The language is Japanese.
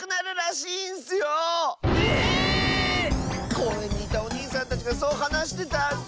こうえんにいたおにいさんたちがそうはなしてたッス。